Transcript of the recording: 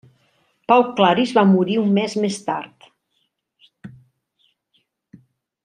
Pau Claris va morir un mes més tard.